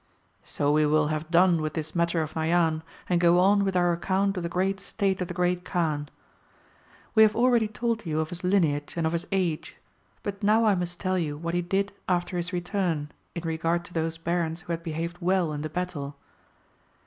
So we will have done with this matter of Nayan, and g Q on with our account of the grreat state of the Great Kaan. We have already told you of his lineage and of his age ; but now I must tell you what he did after his return, in regard to those barons who had behaved well in the battle.